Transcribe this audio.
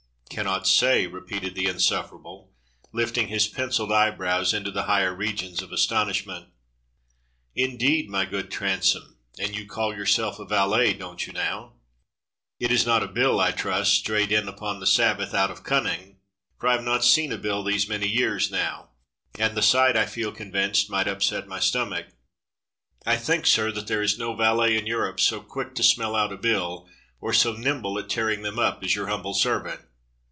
"Cannot say.^" repeated the insufferable, lifting his pencilled eyebrows into the higher regions of astonish ment. "Indeed, my good Transome — and you call yourself a valet, don't you now? It is not a bill, I trust, strayed in upon the Sabbath out of cunning, for I have not seen a bill these many years now, and the sight, I feel convinced, might upset my stomach." "I think, sir, that there is no valet in Europe so quick to smell out a bill or so nimble at tearing them up as your humble servant."